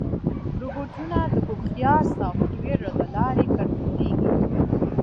روبوټونه د هوښیار سافټویر له لارې کنټرولېږي.